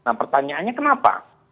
nah pertanyaannya kenapa